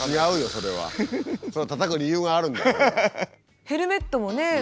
それはたたく理由があるんだよ。